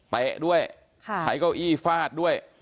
ด้วยใช้เก้าอี้ฟาดด้วย